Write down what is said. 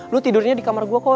lu tidurnya di kamar gue kok